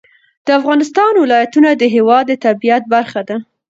د افغانستان ولایتونه د هېواد د طبیعت برخه ده.